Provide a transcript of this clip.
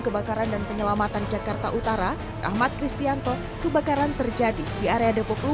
kebakaran dan penyelamatan jakarta utara ahmad kristianto kebakaran terjadi di area depok